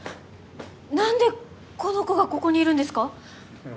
なんでこの子がここにいるんですか